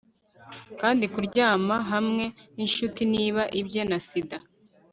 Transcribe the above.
kandi kuryama hamwe ninshuti niba ibye, na sida